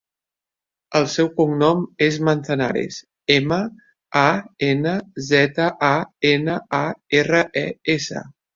El seu cognom és Manzanares: ema, a, ena, zeta, a, ena, a, erra, e, essa.